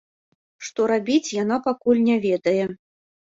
Што рабіць, яна пакуль не ведае.